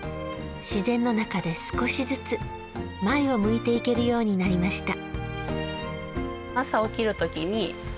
自然の中で、少しずつ前を向いていけるようになりました。